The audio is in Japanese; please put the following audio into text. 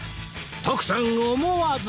徳さん思わず